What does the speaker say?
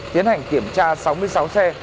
tiến hành kiểm tra sáu mươi sáu xe